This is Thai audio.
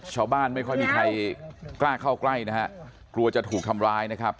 ไม่ค่อยมีใครกล้าเข้าใกล้นะฮะกลัวจะถูกทำร้ายนะครับ